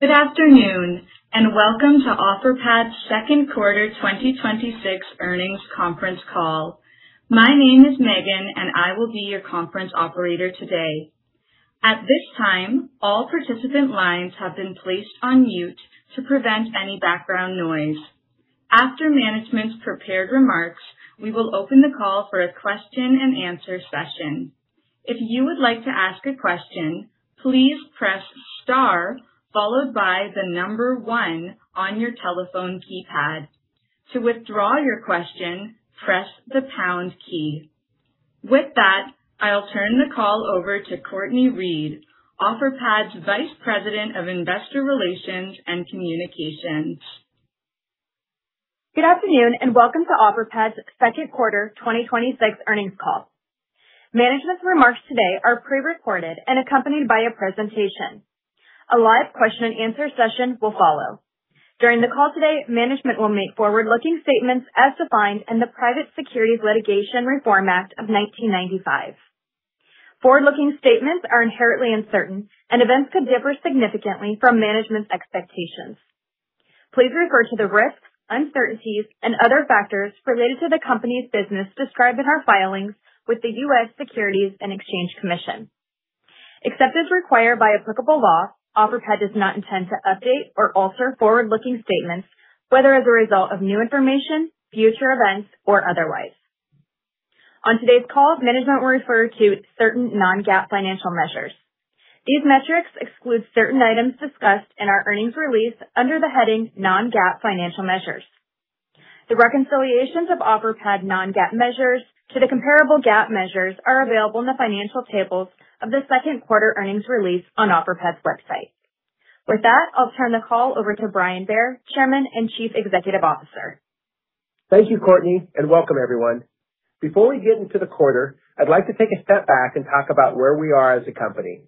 Good afternoon, and welcome to Offerpad's second quarter 2026 earnings conference call. My name is Megan, and I will be your conference operator today. At this time, all participant lines have been placed on mute to prevent any background noise. After management's prepared remarks, we will open the call for a question and answer session. If you would like to ask a question, please press star followed by one on your telephone keypad. To withdraw your question, press the pound key. With that, I'll turn the call over to Cortney Read, Offerpad's Vice President of Investor Relations and Communications. Good afternoon, and welcome to Offerpad's second quarter 2026 earnings call. Management's remarks today are pre-recorded and accompanied by a presentation. A live question and answer session will follow. During the call today, management will make forward-looking statements as defined in the Private Securities Litigation Reform Act of 1995. Forward-looking statements are inherently uncertain, and events could differ significantly from management's expectations. Please refer to the risks, uncertainties, and other factors related to the company's business described in our filings with the U.S. Securities and Exchange Commission. Except as required by applicable law, Offerpad does not intend to update or alter forward-looking statements, whether as a result of new information, future events, or otherwise. On today's call, management will refer to certain non-GAAP financial measures. These metrics exclude certain items discussed in our earnings release under the heading Non-GAAP Financial Measures. The reconciliations of Offerpad non-GAAP measures to the comparable GAAP measures are available in the financial tables of the second quarter earnings release on Offerpad's website. With that, I'll turn the call over to Brian Bair, Chairman and Chief Executive Officer. Thank you, Cortney, and welcome everyone. Before we get into the quarter, I'd like to take a step back and talk about where we are as a company.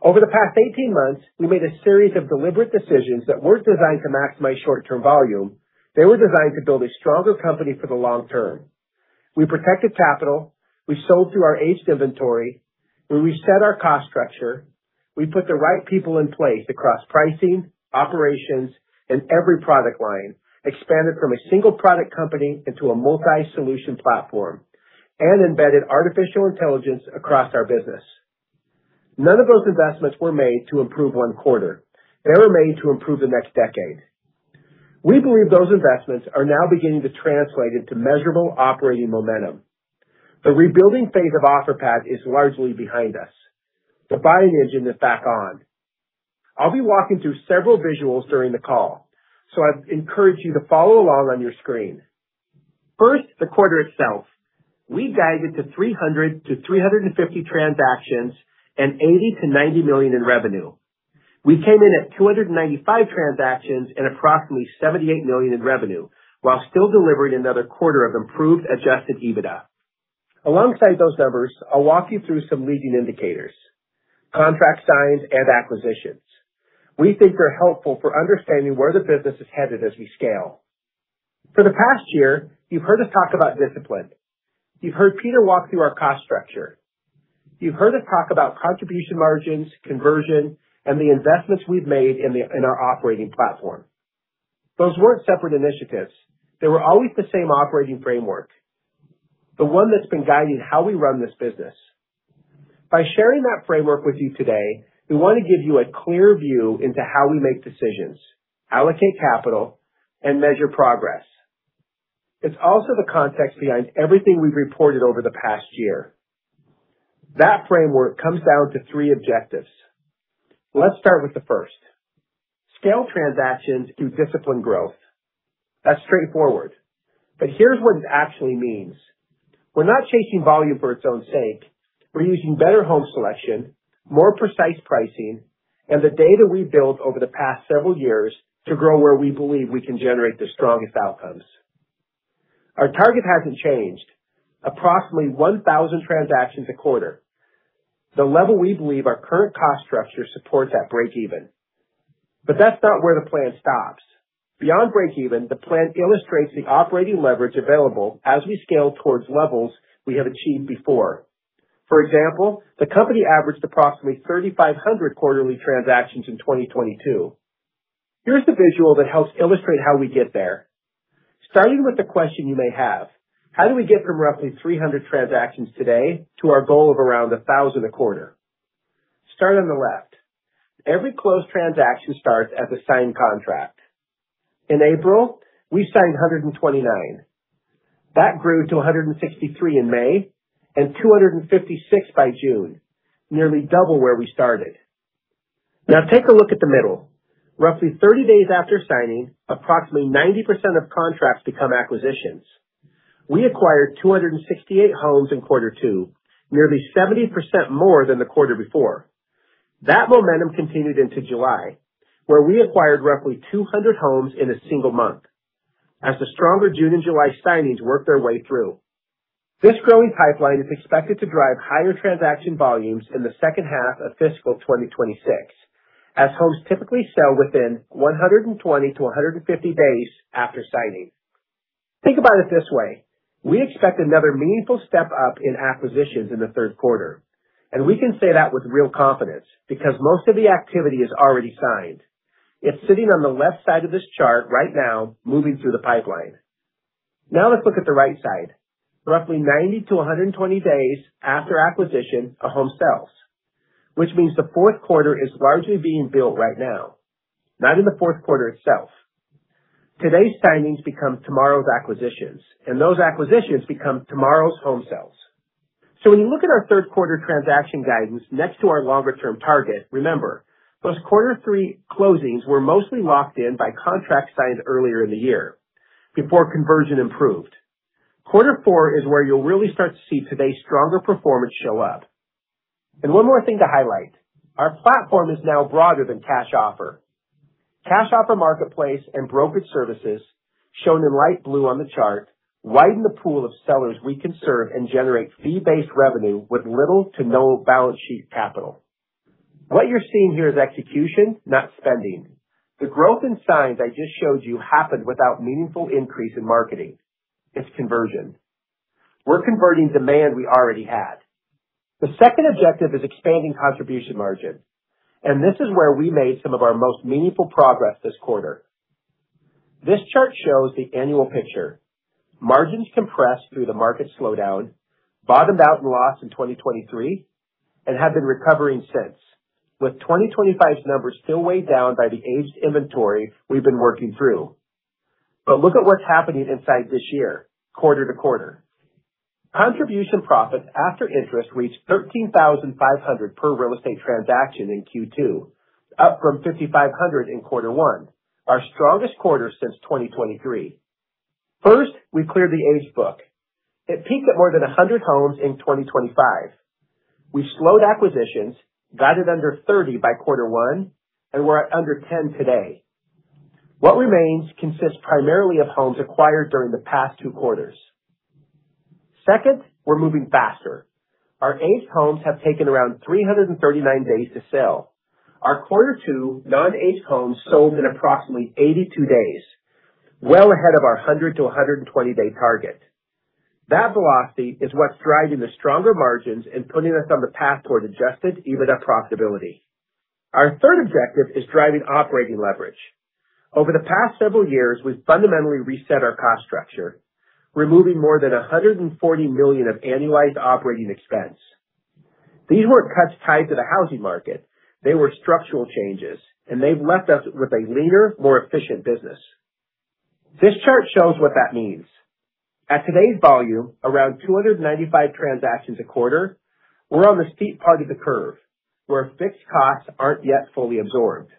Over the past 18 months, we made a series of deliberate decisions that weren't designed to maximize short-term volume. They were designed to build a stronger company for the long term. We protected capital. We sold through our aged inventory. We reset our cost structure. We put the right people in place across pricing, operations, and every product line expanded from a single product company into a multi-solution platform and embedded artificial intelligence across our business. None of those investments were made to improve one quarter. They were made to improve the next decade. We believe those investments are now beginning to translate into measurable operating momentum. The rebuilding phase of Offerpad is largely behind us. The buying engine is back on. I'll be walking through several visuals during the call, so I'd encourage you to follow along on your screen. First, the quarter itself. We guided to 300-350 transactions and $80 million-$90 million in revenue. We came in at 295 transactions and approximately $78 million in revenue, while still delivering another quarter of improved adjusted EBITDA. Alongside those numbers, I'll walk you through some leading indicators, contracts signed and acquisitions we think are helpful for understanding where the business is headed as we scale. For the past year, you've heard us talk about discipline. You've heard Peter walk through our cost structure. You've heard us talk about contribution margins, conversion, and the investments we've made in our operating platform. Those weren't separate initiatives. They were always the same operating framework, the one that's been guiding how we run this business. By sharing that framework with you today, we want to give you a clear view into how we make decisions, allocate capital, and measure progress. It's also the context behind everything we've reported over the past year. That framework comes down to three objectives. Let's start with the first. Scale transactions through disciplined growth. That's straightforward, but here's what it actually means. We're not chasing volume for its own sake. We're using better home selection, more precise pricing, and the data we've built over the past several years to grow where we believe we can generate the strongest outcomes. Our target hasn't changed. Approximately 1,000 transactions a quarter, the level we believe our current cost structure supports at breakeven. That's not where the plan stops. Beyond breakeven, the plan illustrates the operating leverage available as we scale towards levels we have achieved before. For example, the company averaged approximately 3,500 quarterly transactions in 2022. Here's the visual that helps illustrate how we get there. Starting with the question you may have, how do we get from roughly 300 transactions today to our goal of around 1,000 a quarter? Start on the left. Every closed transaction starts as a signed contract. In April, we signed 129. That grew to 163 in May and 256 by June, nearly double where we started. Take a look at the middle. Roughly 30 days after signing, approximately 90% of contracts become acquisitions. We acquired 268 homes in quarter two, nearly 70% more than the quarter before. That momentum continued into July, where we acquired roughly 200 homes in a single month as the stronger June and July signings worked their way through. This growing pipeline is expected to drive higher transaction volumes in the second half of fiscal 2026, as homes typically sell within 120-150 days after signing. Think about it this way. We expect another meaningful step up in acquisitions in the third quarter, and we can say that with real confidence because most of the activity is already signed. It's sitting on the left side of this chart right now, moving through the pipeline. Let's look at the right side. Roughly 90-120 days after acquisition, a home sells, which means the fourth quarter is largely being built right now, not in the fourth quarter itself. Today's signings become tomorrow's acquisitions, those acquisitions become tomorrow's home sales. When you look at our third quarter transaction guidance next to our longer term target, remember, those quarter three closings were mostly locked in by contracts signed earlier in the year before conversion improved. Quarter four is where you'll really start to see today's stronger performance show up. One more thing to highlight. Our platform is now broader than Cash Offer. Cash Offer Marketplace and brokerage services, shown in light blue on the chart, widen the pool of sellers we can serve and generate fee-based revenue with little to no balance sheet capital. What you're seeing here is execution, not spending. The growth in signs I just showed you happened without meaningful increase in marketing. It's conversion. We're converting demand we already had. The second objective is expanding contribution margin, this is where we made some of our most meaningful progress this quarter. This chart shows the annual picture. Margins compressed through the market slowdown, bottomed out and lost in 2023, have been recovering since, with 2025's numbers still weighed down by the aged inventory we've been working through. Look at what's happening inside this year, quarter to quarter. Contribution profits after interest reached $13,500 per real estate transaction in Q2, up from $5,500 in quarter one, our strongest quarter since 2023. First, we cleared the aged book. It peaked at more than 100 homes in 2025. We slowed acquisitions, got it under 30 by quarter one, we're at under 10 today. What remains consists primarily of homes acquired during the past two quarters. Second, we're moving faster. Our aged homes have taken around 339 days to sell. Our quarter two non-aged homes sold in approximately 82 days, well ahead of our 100-120 day target. That velocity is what's driving the stronger margins and putting us on the path toward adjusted EBITDA profitability. Our third objective is driving operating leverage. Over the past several years, we've fundamentally reset our cost structure, removing more than $140 million of annualized operating expense. These weren't cuts tied to the housing market. They were structural changes, they've left us with a leaner, more efficient business. This chart shows what that means. At today's volume, around 295 transactions a quarter, we're on the steep part of the curve, where fixed costs aren't yet fully absorbed.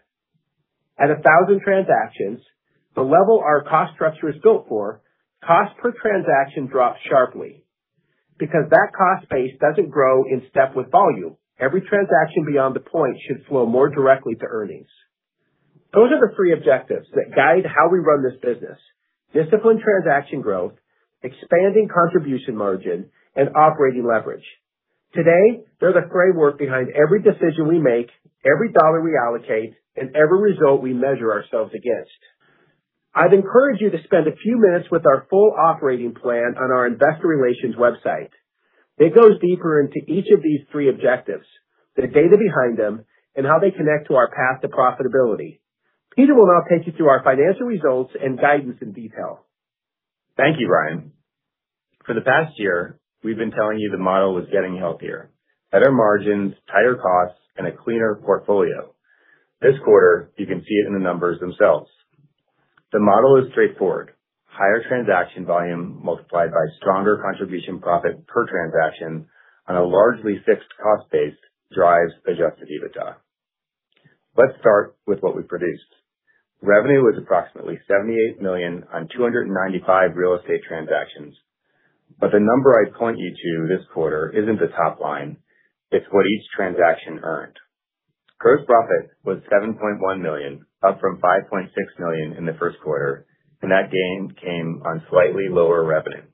At 1,000 transactions, the level our cost structure is built for, cost per transaction drops sharply. That cost base doesn't grow in step with volume, every transaction beyond the point should flow more directly to earnings. Those are the three objectives that guide how we run this business. Disciplined transaction growth, expanding contribution margin, operating leverage. Today, they're the framework behind every decision we make, every dollar we allocate, every result we measure ourselves against. I'd encourage you to spend a few minutes with our full operating plan on our investor relations website. It goes deeper into each of these three objectives, the data behind them, and how they connect to our path to profitability. Peter will now take you through our financial results and guidance in detail. Thank you, Brian. For the past year, we've been telling you the model was getting healthier. Better margins, tighter costs, and a cleaner portfolio. This quarter, you can see it in the numbers themselves. The model is straightforward. Higher transaction volume multiplied by stronger contribution profit per transaction on a largely fixed cost base drives adjusted EBITDA. Let's start with what we produced. Revenue was approximately $78 million on 295 real estate transactions. The number I'd point you to this quarter isn't the top line, it's what each transaction earned. Gross profit was $7.1 million, up from $5.6 million in the first quarter, and that gain came on slightly lower revenue.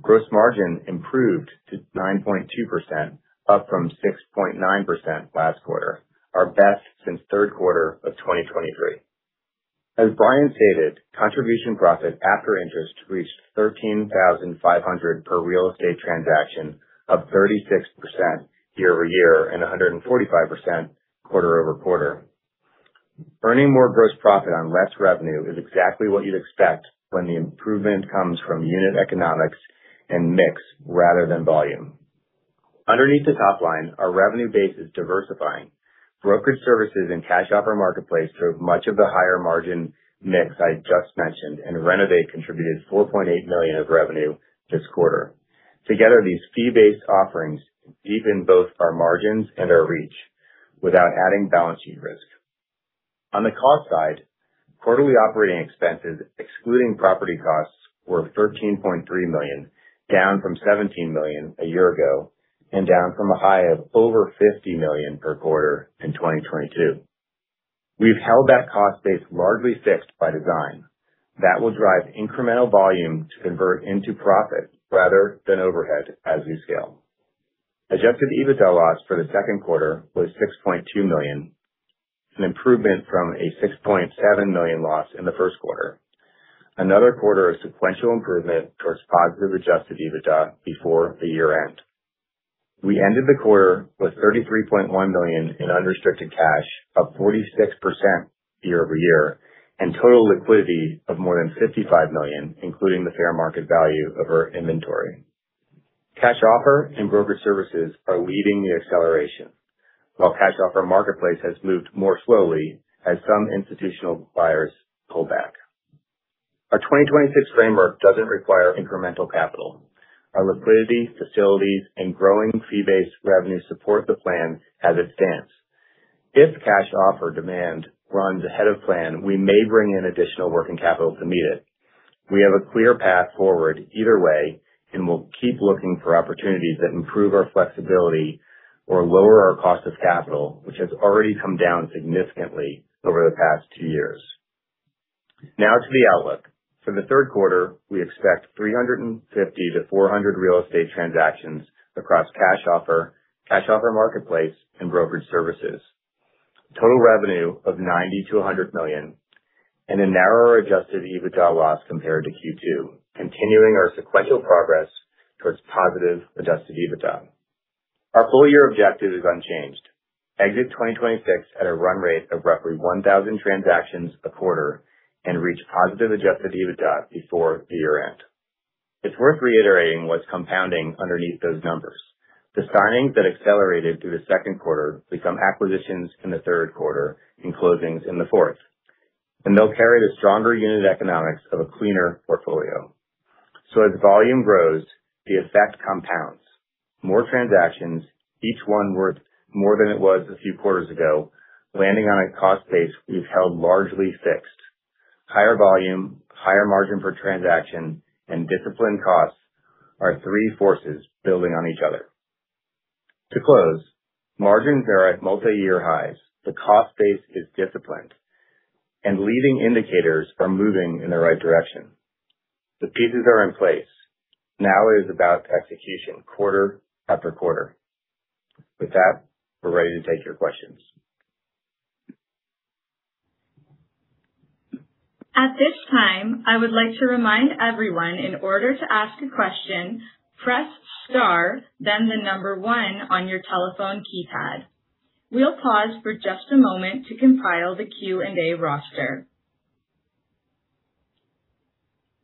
Gross margin improved to 9.2%, up from 6.9% last quarter, our best since third quarter of 2023. As Brian stated, contribution profit after interest reached $13,500 per real estate transaction, up 36% year-over-year and 145% quarter-over-quarter. Earning more gross profit on less revenue is exactly what you'd expect when the improvement comes from unit economics and mix rather than volume. Underneath the top line, our revenue base is diversifying. Brokerage services and Cash Offer Marketplace drove much of the higher margin mix I just mentioned, and Renovate contributed $4.8 million of revenue this quarter. Together, these fee-based offerings deepen both our margins and our reach without adding balance sheet risk. On the cost side, quarterly operating expenses, excluding property costs, were $13.3 million, down from $17 million a year ago, and down from a high of over $50 million per quarter in 2022. We've held that cost base largely fixed by design. That will drive incremental volume to convert into profit rather than overhead as we scale. Adjusted EBITDA loss for the second quarter was $6.2 million, an improvement from a $6.7 million loss in the first quarter. Another quarter of sequential improvement towards positive adjusted EBITDA before the year-end. We ended the quarter with $33.1 million in unrestricted cash, up 46% year-over-year, and total liquidity of more than $55 million, including the fair market value of our inventory. Cash Offer and brokerage services are leading the acceleration. While Cash Offer Marketplace has moved more slowly as some institutional buyers pull back. Our 2026 framework doesn't require incremental capital. Our liquidity, facilities, and growing fee-based revenue support the plan as it stands. If Cash Offer demand runs ahead of plan, we may bring in additional working capital to meet it. We have a clear path forward either way, and we'll keep looking for opportunities that improve our flexibility or lower our cost of capital, which has already come down significantly over the past two years. Now to the outlook. For the third quarter, we expect 350-400 real estate transactions across Cash Offer, Cash Offer Marketplace, and brokerage services. Total revenue of $90 million-$100 million and a narrower adjusted EBITDA loss compared to Q2, continuing our sequential progress towards positive adjusted EBITDA. Our full year objective is unchanged. Exit 2026 at a run rate of roughly 1,000 transactions a quarter and reach positive adjusted EBITDA before the year-end. It's worth reiterating what's compounding underneath those numbers. The signings that accelerated through the second quarter become acquisitions in the third quarter and closings in the fourth. They'll carry the stronger unit economics of a cleaner portfolio. As volume grows, the effect compounds. More transactions, each one worth more than it was a few quarters ago, landing on a cost base we've held largely fixed. Higher volume, higher margin per transaction, and disciplined costs are three forces building on each other. To close, margins are at multi-year highs, the cost base is disciplined, and leading indicators are moving in the right direction. The pieces are in place. Now it is about execution quarter after quarter. With that, we're ready to take your questions. At this time, I would like to remind everyone in order to ask a question, press star, then the number one on your telephone keypad. We'll pause for just a moment to compile the Q&A roster.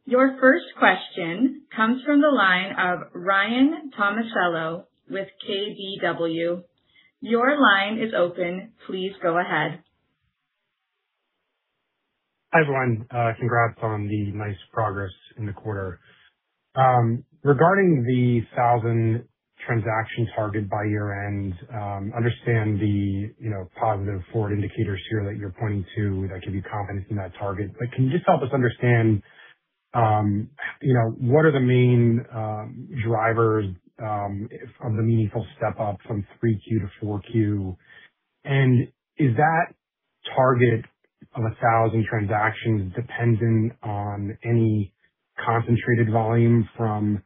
Your first question comes from the line of Ryan Tomasello with KBW. Your line is open. Please go ahead. Hi, everyone. Congrats on the nice progress in the quarter. Regarding the 1,000 transaction target by year-end, understand the positive forward indicators here that you're pointing to that give you confidence in that target. Can you just help us understand what are the main drivers of the meaningful step up from three Q to four Q? Is that target of 1,000 transactions dependent on any concentrated volume from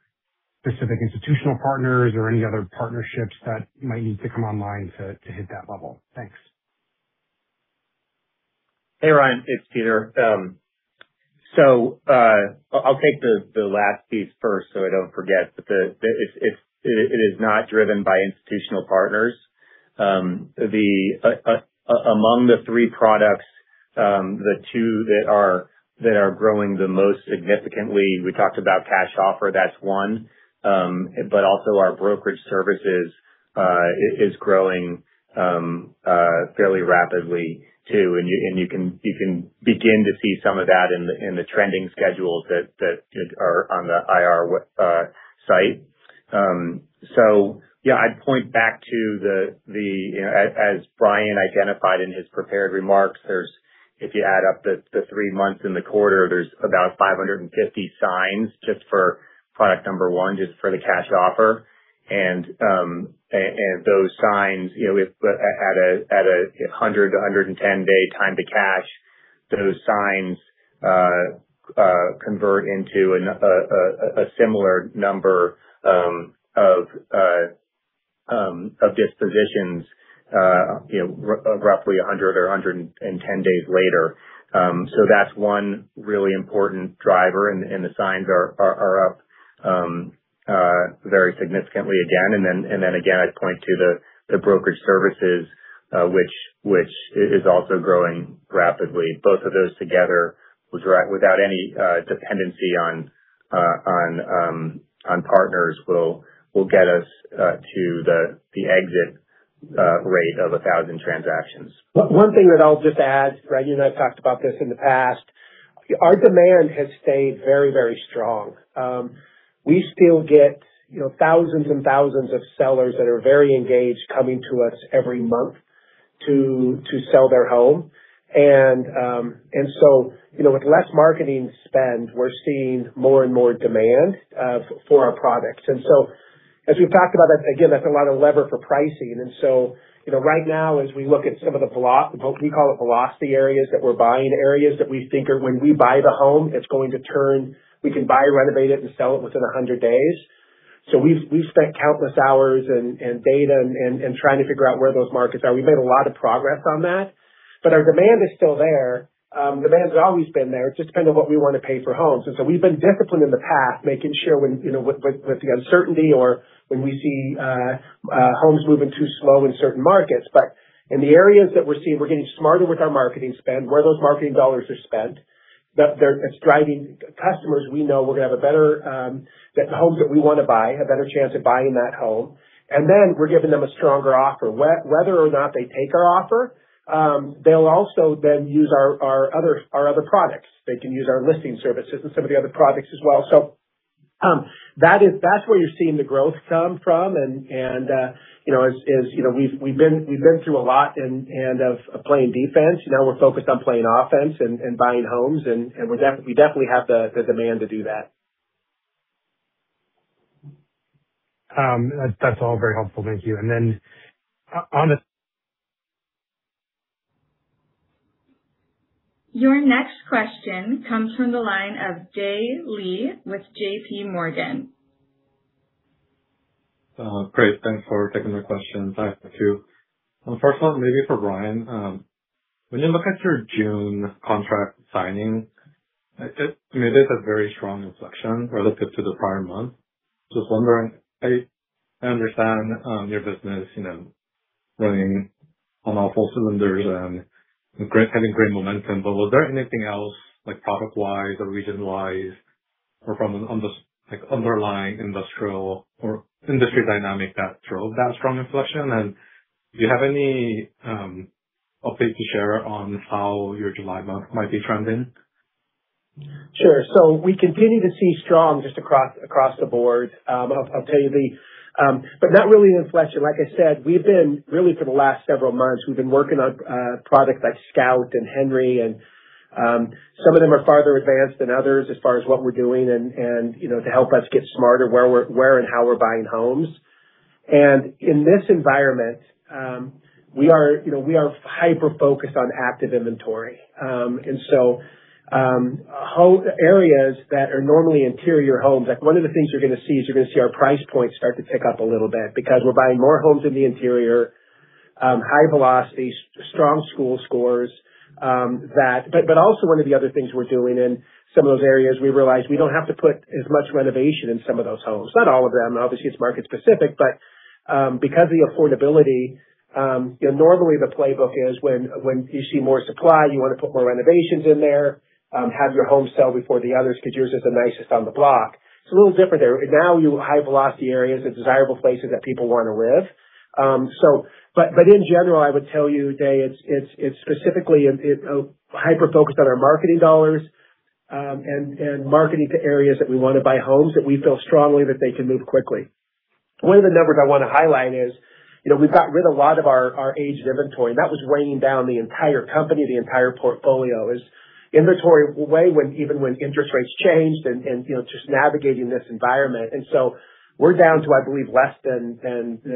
specific institutional partners or any other partnerships that might need to come online to hit that level? Thanks. Hey, Ryan, it's Peter. I'll take the last piece first so I don't forget. It is not driven by institutional partners. Among the three products, the two that are growing the most significantly, we talked about Cash Offer, that's one. Also our brokerage services is growing fairly rapidly too. You can begin to see some of that in the trending schedules that are on the IR site. Yeah, I'd point back to the As Brian identified in his prepared remarks, if you add up the three months in the quarter, there's about 550 signs just for product number one, just for the Cash Offer. Those signs at a 100- to 110-day time to cash, those signs convert into a similar number of dispositions roughly 100 or 110 days later. That's one really important driver, the signs are up very significantly again. Again, I'd point to the brokerage services, which is also growing rapidly. Both of those together without any dependency on partners will get us to the exit rate of 1,000 transactions. One thing that I'll just add, Ryan, I've talked about this in the past. Our demand has stayed very, very strong. We still get thousands and thousands of sellers that are very engaged coming to us every month to sell their home. With less marketing spend, we're seeing more and more demand for our products. As we've talked about, again, that's a lot of lever for pricing. Right now, as we look at some of the, we call it velocity areas that we're buying, areas that we think are when we buy the home, it's going to turn, we can buy, renovate it, and sell it within 100 days. We've spent countless hours and data in trying to figure out where those markets are. We've made a lot of progress on that, our demand is still there. Demand's always been there. It's just kind of what we want to pay for homes. We've been disciplined in the past, making sure with the uncertainty or when we see homes moving too slow in certain markets. In the areas that we're seeing, we're getting smarter with our marketing spend, where those marketing dollars are spent, that it's driving customers we know we're going to have a better chance at buying that home. We're giving them a stronger offer. Whether or not they take our offer, they'll also then use our other products. They can use our listing services and some of the other products as well. That's where you're seeing the growth come from. As you know, we've been through a lot of playing defense. Now we're focused on playing offense and buying homes, and we definitely have the demand to do that. That's all very helpful. Thank you. Then on the- Your next question comes from the line of Dae Lee with JPMorgan. Great. Thanks for taking my question. Yeah. Thanks, Dae, too. First one maybe for Brian. When you look at your June contract signings, it is a very strong inflection relative to the prior month. Just wondering, I understand your business running on all cylinders and having great momentum, but was there anything else like product-wise or region-wise or from an underlying industrial or industry dynamic that drove that strong inflection? Do you have any updates to share on how your July month might be trending? Sure. We continue to see strong just across the board. I will tell you Dae. Not really an inflection. Like I said, we have been really for the last several months, we have been working on products like SCOUT and HENRY, and some of them are farther advanced than others as far as what we are doing and to help us get smarter where and how we are buying homes. In this environment, we are hyper-focused on active inventory. Areas that are normally interior homes, like one of the things you are going to see is you are going to see our price points start to tick up a little bit because we are buying more homes in the interior, high velocity, strong school scores. Also one of the other things we are doing in some of those areas, we realized we do not have to put as much renovation in some of those homes. Not all of them. Obviously, it is market specific. Because of the affordability, normally the playbook is when you see more supply, you want to put more renovations in there, have your home sell before the others because yours is the nicest on the block. It is a little different there. Now you have high velocity areas of desirable places that people want to live. In general, I would tell you, Dae, it is specifically hyper-focused on our marketing dollars, and marketing to areas that we want to buy homes that we feel strongly that they can move quickly. One of the numbers I want to highlight is we got rid of a lot of our aged inventory. That was weighing down the entire company, the entire portfolio. Inventory way when even when interest rates changed and just navigating this environment. We are down to, I believe, less than 10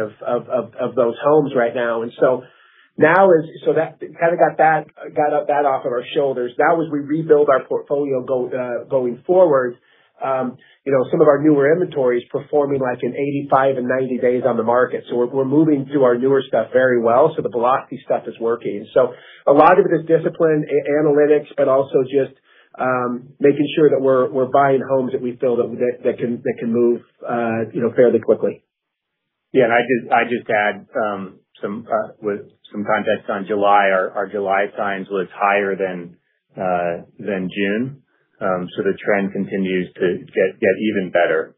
of those homes right now. That kind of got that off of our shoulders. Now as we rebuild our portfolio going forward, some of our newer inventory is performing like in 85 and 90 days on the market. We are moving through our newer stuff very well. The velocity stuff is working. A lot of it is discipline, analytics, but also just making sure that we are buying homes that we feel that can move fairly quickly. Yeah. I just add some context on July. Our July signs was higher than June. The trend continues to get even better.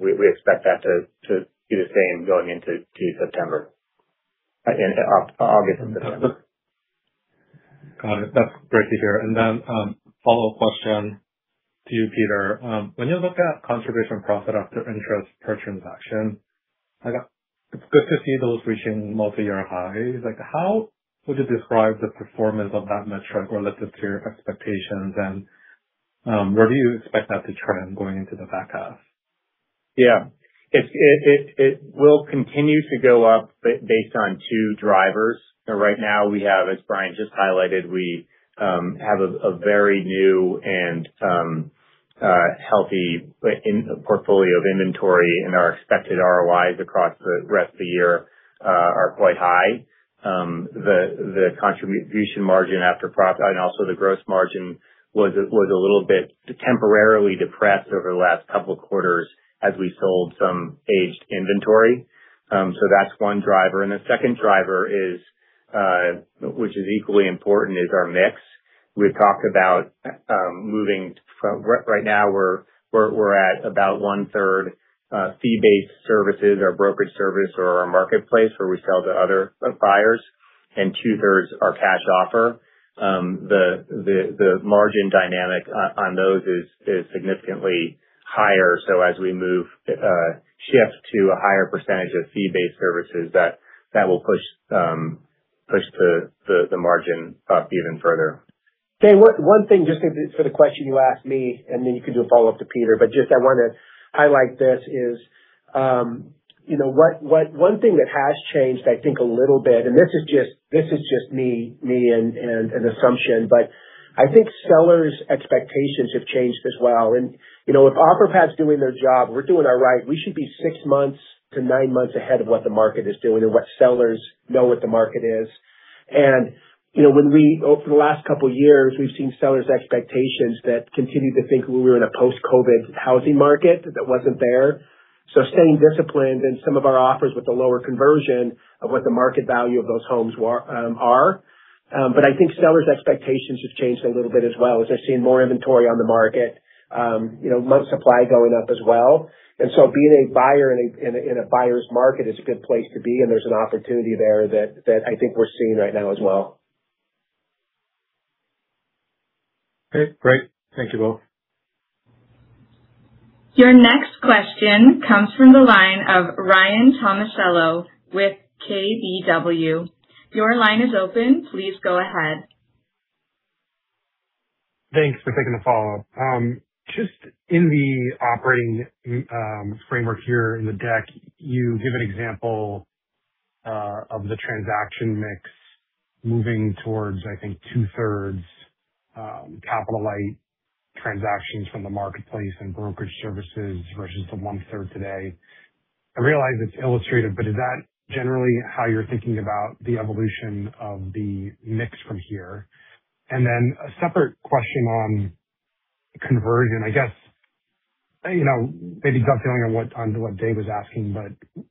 We expect that to be the same going into September. Into August and September. Got it. That's great to hear. Follow-up question to you, Peter. When you look at contribution profit after interest per transaction, it's good to see those reaching multi-year highs. How would you describe the performance of that metric relative to your expectations? Where do you expect that to trend going into the back half? Yeah. It will continue to go up based on two drivers. Right now we have, as Brian just highlighted, we have a very new and healthy portfolio of inventory, our expected ROIs across the rest of the year are quite high. The contribution margin after profit and also the gross margin was a little bit temporarily depressed over the last two quarters as we sold some aged inventory. That's one driver. The second driver which is equally important, is our mix. We've talked about moving from right now we're at about one-third fee-based services, our brokerage service or our marketplace where we sell to other buyers, and two-thirds are Cash Offer. The margin dynamic on those is significantly higher. As we shift to a higher percentage of fee-based services, that will push the margin up even further. Dae, one thing, just for the question you asked me, you can do a follow-up to Peter, I want to highlight this. One thing that has changed, I think a little bit, and this is just me and an assumption, I think sellers' expectations have changed as well. If Offerpad's doing their job, we're doing it right, we should be six months to nine months ahead of what the market is doing and what sellers know what the market is. Over the last two years, we've seen sellers' expectations that continued to think we were in a post-COVID housing market that wasn't there. Staying disciplined in some of our offers with the lower conversion of what the market value of those homes are. I think sellers' expectations have changed a little bit as well as they're seeing more inventory on the market, month supply going up as well. Being a buyer in a buyer's market is a good place to be, there's an opportunity there that I think we're seeing right now as well. Okay, great. Thank you both. Your next question comes from the line of Ryan Tomasello with KBW. Your line is open. Please go ahead. Thanks for taking the follow-up. Just in the operating framework here in the deck, you give an example of the transaction mix moving towards, I think, two-thirds capital-light transactions from the marketplace and brokerage services versus the one-third today. I realize it's illustrative, but is that generally how you're thinking about the evolution of the mix from here? A separate question on conversion, I guess, maybe dovetailing on what Dave was asking, but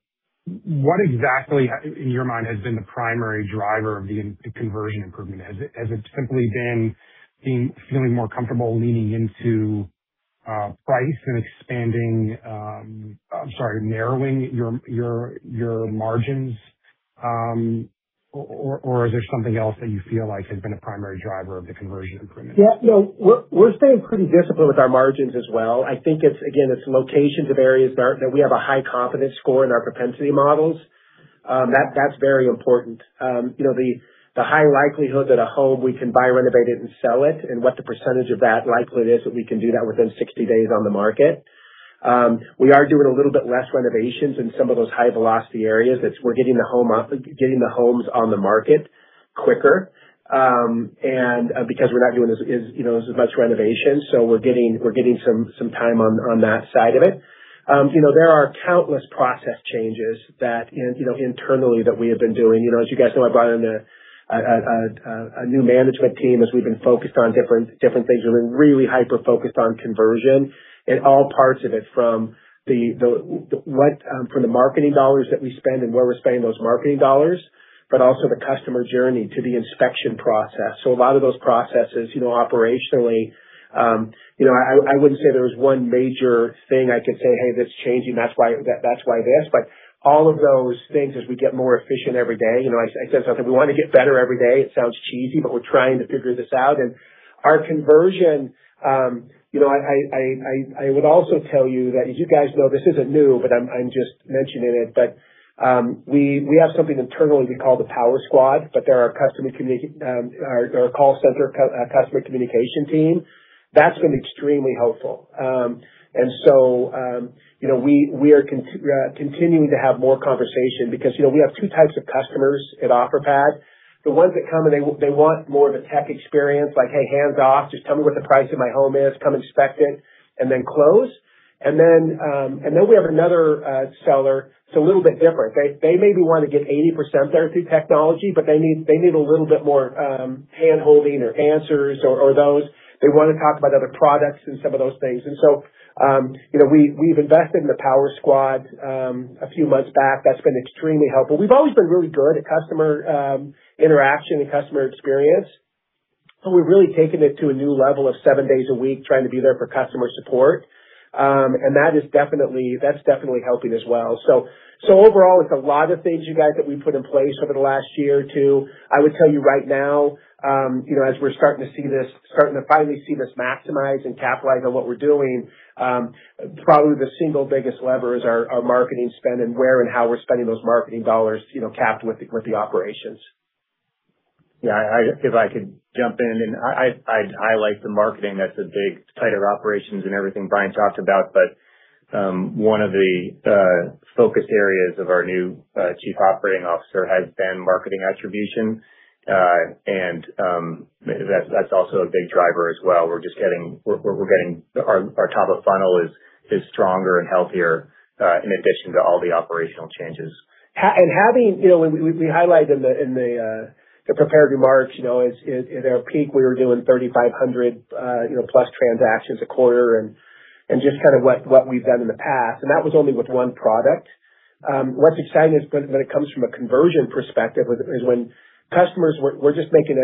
what exactly, in your mind, has been the primary driver of the conversion improvement? Has it simply been feeling more comfortable leaning into price and narrowing your margins? Or is there something else that you feel like has been a primary driver of the conversion improvement? Yeah. We're staying pretty disciplined with our margins as well. I think, again, it's locations of areas that we have a high confidence score in our propensity models. That's very important. The high likelihood that a home we can buy, renovate it, and sell it, and what the percentage of that likelihood is that we can do that within 60 days on the market. We are doing a little bit less renovations in some of those high velocity areas. We're getting the homes on the market quicker. Because we're not doing as much renovation, so we're getting some time on that side of it. There are countless process changes internally that we have been doing. As you guys know, I brought in a new management team as we've been focused on different things. We're really hyper-focused on conversion in all parts of it, from the marketing dollars that we spend and where we're spending those marketing dollars. Also the customer journey to the inspection process. A lot of those processes operationally, I wouldn't say there was one major thing I could say, "Hey, this is changing. That's why this." All of those things as we get more efficient every day. I said something, we want to get better every day. It sounds cheesy, but we're trying to figure this out. Our conversion, I would also tell you that, as you guys know, this isn't new, but I'm just mentioning it. We have something internally we call the Power Squad, but they're our call center customer communication team. That's been extremely helpful. We are continuing to have more conversation because we have two types of customers at Offerpad. The ones that come, and they want more of a tech experience like, "Hey, hands off. Just tell me what the price of my home is, come inspect it, and then close." We have another seller that's a little bit different. They maybe want to get 80% there through technology, but they need a little bit more hand-holding or answers or those. They want to talk about other products and some of those things. We've invested in the Power Squad a few months back. That's been extremely helpful. We've always been really good at customer interaction and customer experience, but we've really taken it to a new level of seven days a week trying to be there for customer support. That's definitely helping as well. Overall, it's a lot of things, you guys, that we put in place over the last year or two. I would tell you right now, as we're starting to finally see this maximize and capitalize on what we're doing, probably the single biggest lever is our marketing spend and where and how we're spending those marketing dollars capped with the operations. Yeah. I like the marketing. That's a big part of operations and everything Brian talked about. One of the focus areas of our new Chief Operating Officer has been marketing attribution. That's also a big driver as well. Our top of funnel is stronger and healthier, in addition to all the operational changes. We highlight in the prepared remarks, at our peak, we were doing 3,500+ transactions a quarter and just kind of what we've done in the past, and that was only with one product. What's exciting is when it comes from a conversion perspective is when customers. We're just making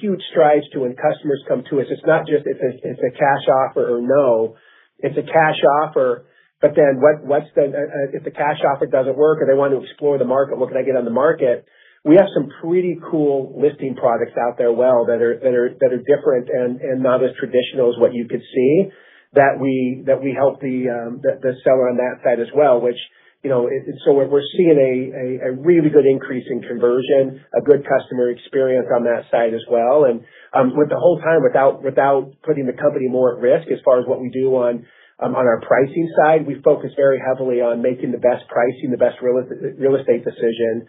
huge strides to when customers come to us. It's not just if it's a Cash Offer or no, it's a Cash Offer. If the Cash Offer doesn't work or they want to explore the market, what can I get on the market? We have some pretty cool listing products out there well that are different and not as traditional as what you could see, that we help the seller on that side as well, which. We're seeing a really good increase in conversion, a good customer experience on that side as well. The whole time, without putting the company more at risk, as far as what we do on our pricing side. We focus very heavily on making the best pricing, the best real estate decision.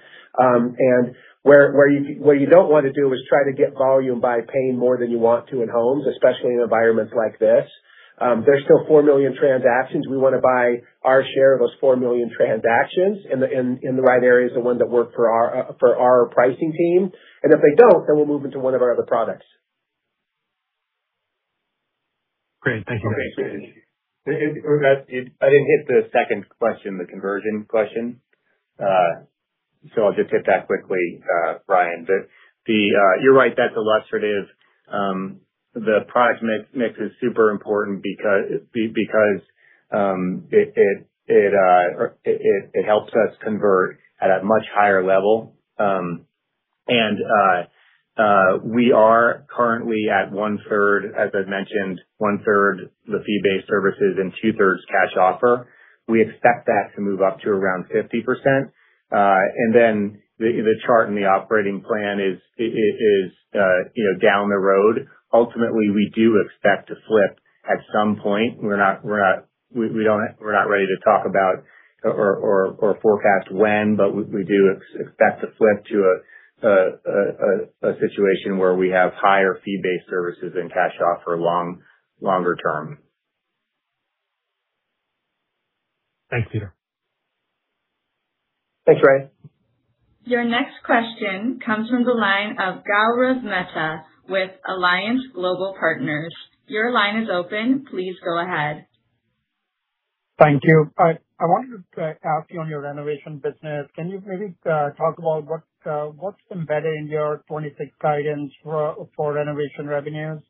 What you don't want to do is try to get volume by paying more than you want to in homes, especially in environments like this. There's still four million transactions. We want to buy our share of those four million transactions in the right areas, the one that work for our pricing team. If they don't, we'll move into one of our other products. Great. Thank you. Great. I didn't hit the second question, the conversion question. I'll just hit that quickly, Ryan. You're right, that's illustrative. The product mix is super important because it helps us convert at a much higher level. We are currently at one-third, as I've mentioned, one-third the fee-based services and two-thirds Cash Offer. We expect that to move up to around 50%. The chart in the operating plan is down the road. Ultimately, we do expect to flip at some point. We're not ready to talk about or forecast when, but we do expect to flip to a situation where we have higher fee-based services and Cash Offer longer term. Thanks, Peter. Thanks, Ryan. Your next question comes from the line of Gaurav Mehta with Alliance Global Partners. Your line is open. Please go ahead. Thank you. I wanted to ask you on your renovation business, can you maybe talk about what's embedded in your 2026 guidance for renovation revenues?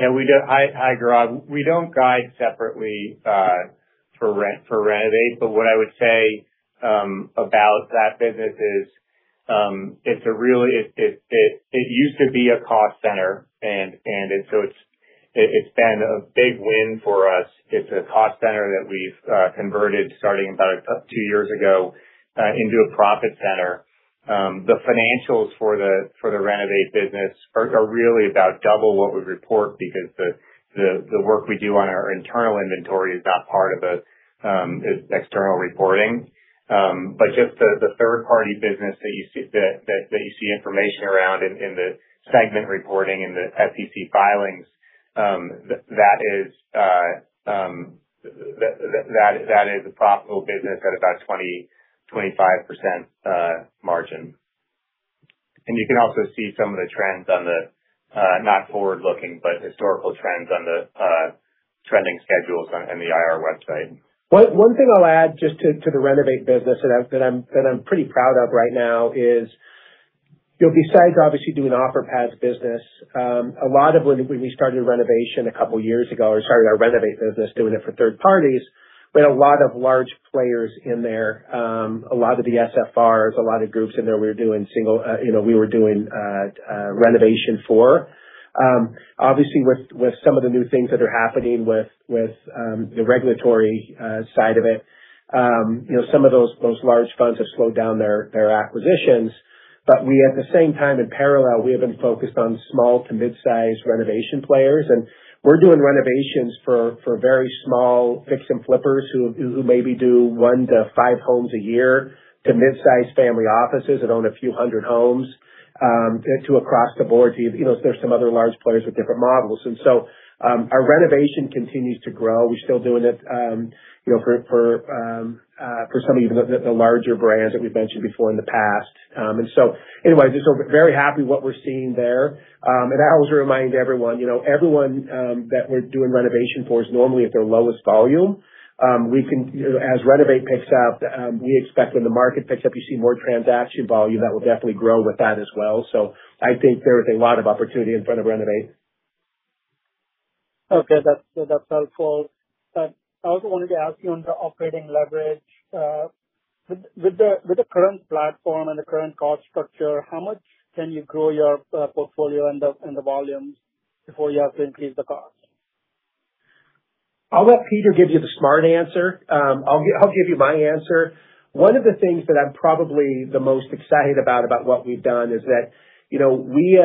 Yeah. Hi, Gaurav. We don't guide separately for Renovate. What I would say about that business is it used to be a cost center, and so it's been a big win for us. It's a cost center that we've converted starting about two years ago into a profit center. The financials for the Renovate business are really about double what we report because the work we do on our internal inventory is not part of it, is external reporting. Just the third-party business that you see information around in the segment reporting and the SEC filings, that is a profitable business at about 20-25% margin. You can also see some of the trends on the, not forward-looking, but historical trends on the trending schedules on the IR website. One thing I'll add just to the Renovate business that I'm pretty proud of right now is, besides obviously doing Offerpad's business, a lot of when we started renovation a couple years ago or started our Renovate business, doing it for third parties, we had a lot of large players in there. A lot of the SFRs, a lot of groups in there we were doing renovation for. Obviously, with some of the new things that are happening with the regulatory side of it. Some of those large funds have slowed down their acquisitions. We, at the same time, in parallel, we have been focused on small to mid-size renovation players. We're doing renovations for very small fix and flippers who maybe do 1-5 homes a year to mid-size family offices that own a few hundred homes, to across the board, there's some other large players with different models. Our renovation continues to grow. We're still doing it for some of even the larger brands that we've mentioned before in the past. We're very happy what we're seeing there. I always remind everyone that we're doing renovation for is normally at their lowest volume. As Renovate picks up, we expect when the market picks up, you see more transaction volume, that will definitely grow with that as well. I think there is a lot of opportunity in front of Renovate. Okay, that's helpful. I also wanted to ask you on the operating leverage. With the current platform and the current cost structure, how much can you grow your portfolio and the volumes before you have to increase the cost? I'll let Peter give you the smart answer. I'll give you my answer. One of the things that I'm probably the most excited about what we've done is that we've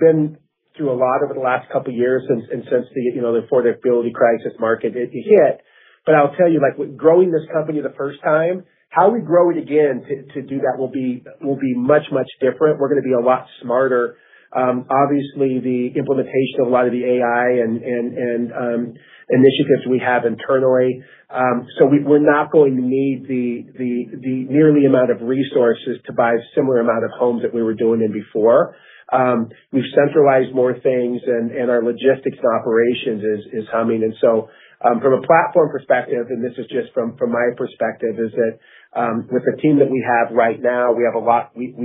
been through a lot over the last couple years and since the affordability crisis market hit. I'll tell you, growing this company the first time, how we grow it again to do that will be much, much different. We're going to be a lot smarter. Obviously, the implementation of a lot of the AI and initiatives we have internally. We're not going to need nearly the amount of resources to buy similar amount of homes that we were doing in before. We've centralized more things, and our logistics and operations is humming. From a platform perspective, and this is just from my perspective, is that with the team that we have right now, we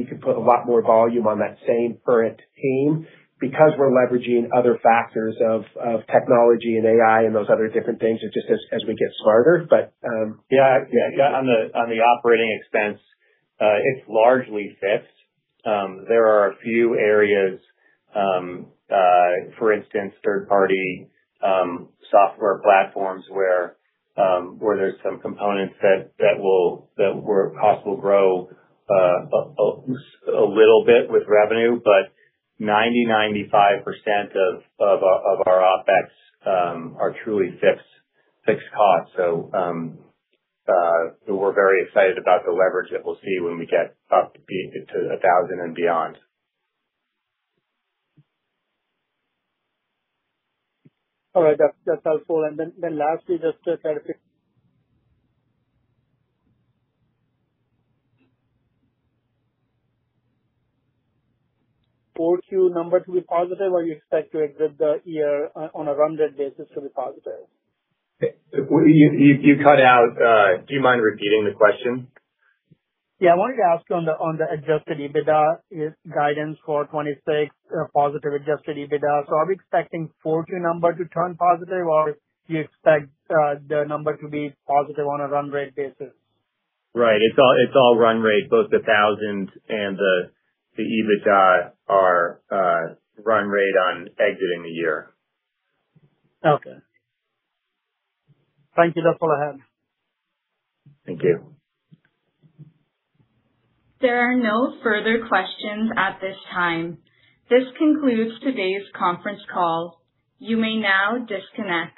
could put a lot more volume on that same current team because we're leveraging other factors of technology and AI and those other different things just as we get smarter. Yeah. On the operating expense, it's largely fixed. There are a few areas, for instance, third-party software platforms where there's some components that costs will grow a little bit with revenue, but 90, 95% of our OpEx are truly fixed costs. We're very excited about the leverage that we'll see when we get up to 1,000 and beyond. All right. That's helpful. Lastly, just to clarify. 4Q number to be positive, or you expect to exit the year on a run rate basis to be positive? You cut out. Do you mind repeating the question? Yeah. I wanted to ask you on the adjusted EBITDA guidance for 2026, positive adjusted EBITDA. Are we expecting 4Q number to turn positive, or do you expect the number to be positive on a run rate basis? Right. It's all run rate, both the 1,000 and the EBITDA are run rate on exiting the year. Okay. Thank you. That's all I have. Thank you. There are no further questions at this time. This concludes today's conference call. You may now disconnect.